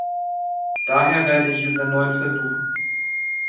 Daher werde ich es erneut versuchen.